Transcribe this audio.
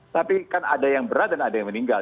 tapi kan ada yang berat dan ada yang meninggal